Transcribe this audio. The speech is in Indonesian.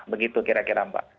begitu kira kira mbak